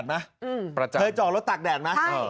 ประจำนั้นใช่ประจำนั้นเคยจอดรถตากแดดไหม